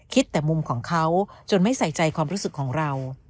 แต่มุมของเขาจนไม่ใส่ใจความรู้สึกของเรา